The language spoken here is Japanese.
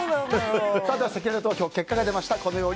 せきらら投票、結果が出ました。